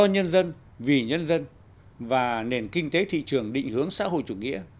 quyền xã hội chủ nghĩa của nhân dân do nhân dân vì nhân dân và nền kinh tế thị trường định hướng xã hội chủ nghĩa